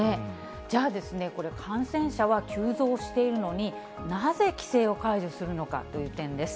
じゃあ、これ、感染者は急増しているのに、なぜ規制を解除するのかという点です。